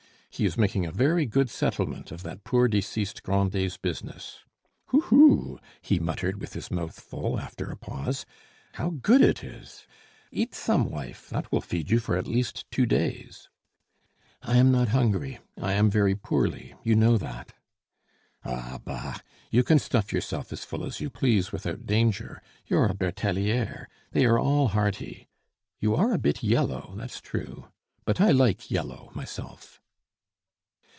He is making a very good settlement of that poor deceased Grandet's business. Hoo! hoo!" he muttered, with his mouth full, after a pause, "how good it is! Eat some, wife; that will feed you for at least two days." "I am not hungry. I am very poorly; you know that." "Ah, bah! you can stuff yourself as full as you please without danger, you're a Bertelliere; they are all hearty. You are a bit yellow, that's true; but I like yellow, myself."